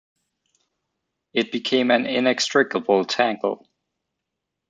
It became an inextricable tangle.